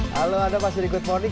halo ada pasir di good morning